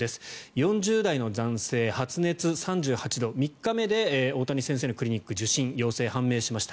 ４０代の男性発熱、３８度３日目で大谷先生のクリニック受診陽性判明しました。